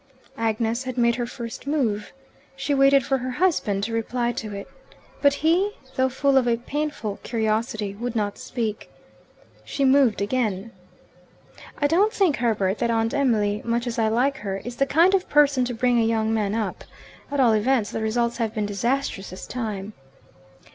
Agnes had made her first move. She waited for her husband to reply to it. But he, though full of a painful curiosity, would not speak. She moved again. "I don't think, Herbert, that Aunt Emily, much as I like her, is the kind of person to bring a young man up. At all events the results have been disastrous this time."